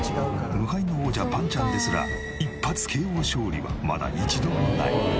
無敗の王者ぱんちゃんですら一発ＫＯ勝利はまだ一度もない。